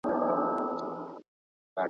دا واقعیتونه عمومي بڼه لري.